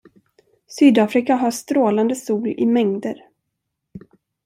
Sydafrika har strålande sol i mängder.